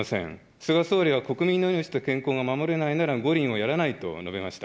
菅総理は国民の命と健康が守れないなら五輪をやらないと述べました。